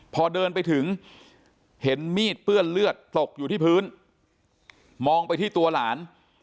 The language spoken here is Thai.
พอเดินไปถึงเห็นมีดเปื้อนเลือดตกอยู่ที่พื้นมองไปที่ตัวหลาน